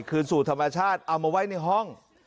คืนสู่ธรรมชาติเอามาไว้ในห้อง